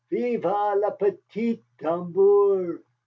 Vive le petit tambour!"